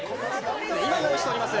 今、用意しております。